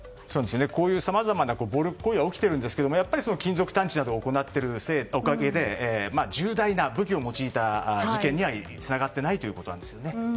こういうさまざまな暴力行為は起きているんですがやっぱり金属探知などを行っているおかげで武器を用いた重大な事件にはつながっていないということなんですね。